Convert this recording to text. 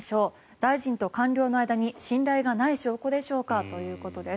大臣と官僚の間に信頼がない証拠でしょうかということです。